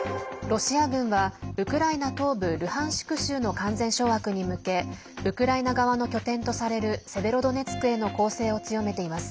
ロシア軍はウクライナ東部ルハンシク州の完全掌握に向けウクライナ側の拠点とされるセベロドネツクへの攻勢を強めています。